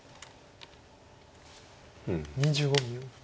２５秒。